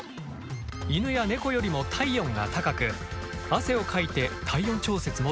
犬や猫よりも体温が高く汗をかいて体温調節もできない。